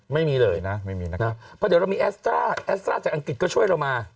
ไม่มีเลยนะไม่มีนะครับเพราะเดี๋ยวเรามีแอสต้าแอสต้าจากอังกฤษก็ช่วยเรามา